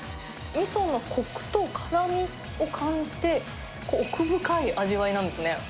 みそのこくとからみを感じて、奥深い味わいなんですね。